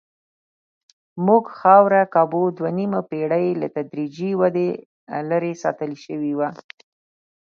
زموږ خاوره کابو دوه نیمې پېړۍ له تدریجي ودې لرې ساتل شوې وه.